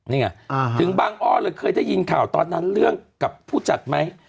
นี่ไงถึงบางอ้อเลยเคยได้ยินข่าวตอนนั้นเรื่องกับผู้จัดไหม